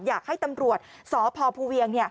อยากให้ตำรวจสพภูเวียง